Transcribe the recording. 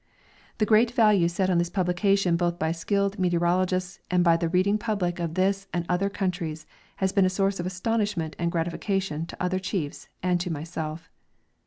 The great value set on this publication l^oth b}^ skilled meteor ologists and by the reading public of this and other countries has Ijeen a source of astonishment and gratification to other chiefs and to myself.